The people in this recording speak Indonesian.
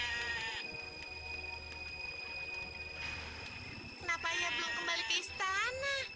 kenapa ya belum kembali ke istana